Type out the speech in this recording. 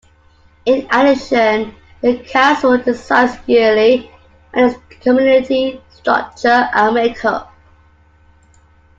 In addition, the Council decides yearly on its committee structure and makeup.